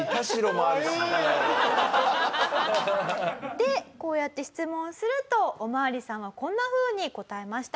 でこうやって質問するとお巡りさんはこんなふうに答えました。